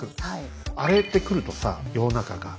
荒れてくるとさ世の中が。